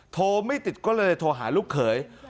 โทรไม่ติดก็เลยโทรหาลูกเขย